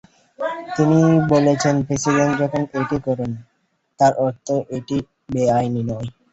তিনি বলেছেন, প্রেসিডেন্ট যখন এটি করেন, তার অর্থ এটি বেআইনি নয়।